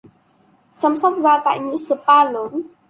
Chăm sóc da tại những spa lớn